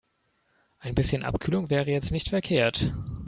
Ein bisschen Abkühlung wäre jetzt nicht verkehrt.